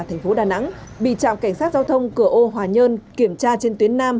thành phố đà nẵng bị trạm cảnh sát giao thông cửa ô hòa nhơn kiểm tra trên tuyến nam